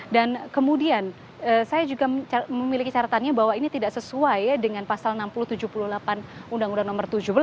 dan kemudian saya juga memiliki catatannya bahwa ini tidak sesuai dengan pasal enam ribu tujuh puluh delapan undang undang nomor tujuh belas